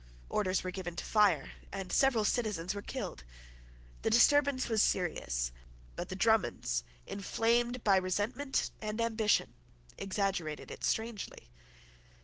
Orders were given to fire; and several citizens were killed. The disturbance was serious; but the Drummonds, inflamed by resentment and ambition, exaggerated it strangely.